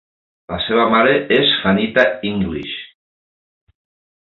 La seva mare és Fanita English.